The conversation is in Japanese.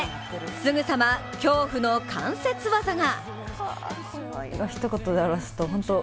すぐさま、恐怖の関節技が。